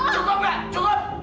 cukup gak cukup